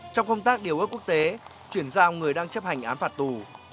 trong công tác điều ước quốc tế chuyển giao người đang chấp hành án phạt tù